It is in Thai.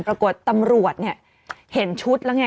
ปรากฏตำรวจเนี่ยเห็นชุดแล้วไง